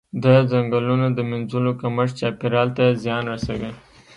د ځنګلونو د مینځلو کمښت چاپیریال ته زیان رسوي.